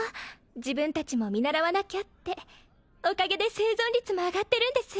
自分達も見習わなきゃっておかげで生存率も上がってるんです